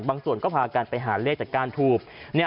ส่วนก็พากันไปหาเลขจากก้านทูบ